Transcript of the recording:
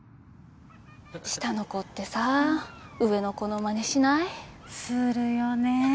下の子ってさ、上の子のまねしない？するよね。